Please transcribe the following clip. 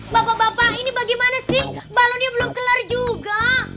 bapak bapak ini bagaimana sih balonnya belum kelar juga